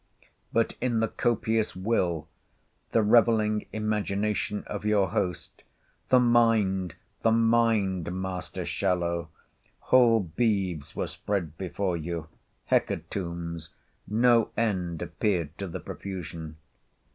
But in the copious will—the revelling imagination of your host—the "mind, the mind, Master Shallow," whole beeves were spread before you—hecatombs—no end appeared to the profusion.